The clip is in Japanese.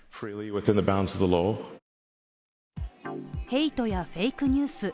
ヘイトやフェイクニュース